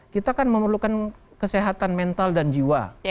kita kan memerlukan kesehatan mental dan jiwa